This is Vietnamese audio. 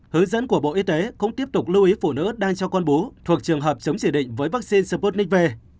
hướng dẫn của bộ y tế cũng tiếp tục lưu ý phụ nữ đang cho con bú thuộc trường hợp chống chỉ định với vaccine sputnik v